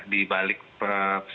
kalau di dalam strategi ini